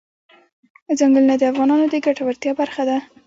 ځنګلونه د افغانانو د ګټورتیا برخه ده.